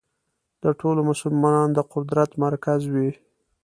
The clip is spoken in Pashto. د ټولو مسلمانانو د قدرت مرکز وي.